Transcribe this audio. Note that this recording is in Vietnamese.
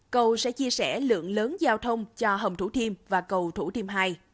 cầu sẽ chia sẻ lượng lớn giao thông cho hầm thủ thiên và cầu thủ thiên hai